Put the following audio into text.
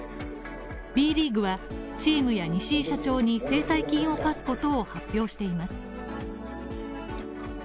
Ｂリーグはチームや西井社長に制裁金を科すことを発表しています。